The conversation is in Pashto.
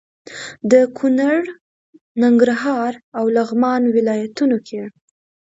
د کونړ، ننګرهار او لغمان ولايتونو کې